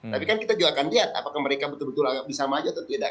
tapi kan kita juga akan lihat apakah mereka betul betul bisa maju atau tidak